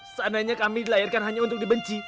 seandainya kami dilahirkan hanya untuk dibenci